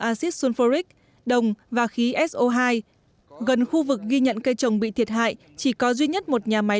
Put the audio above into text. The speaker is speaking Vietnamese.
acid sulfuric đồng và khí so hai gần khu vực ghi nhận cây trồng bị thiệt hại chỉ có duy nhất một nhà máy